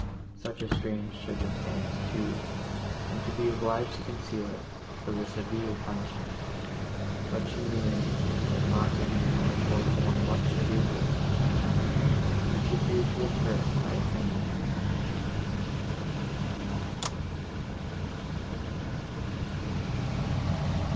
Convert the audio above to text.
Such a strange circumstance, too, and to be obliged to conceal it, was a severe punishment; but she knew, that Montoni might impose one much severer, and she feared to incur it by offending him.